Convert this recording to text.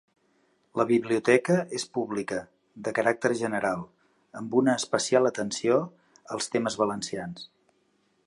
La biblioteca és pública, de caràcter general, amb una especial atenció als temes valencians.